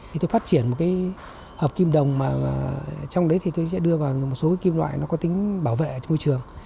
thì tôi phát triển một hợp kim đồng mà trong đấy tôi sẽ đưa vào một số kim loại có tính bảo vệ môi trường